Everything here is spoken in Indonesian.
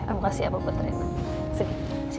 am kasih apa buat rena sini sini